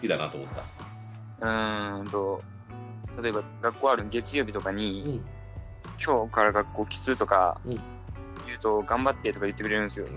うんと例えば学校ある月曜日とかに「今日から学校きつっ」とか言うと「頑張って」とか言ってくれるんすよ。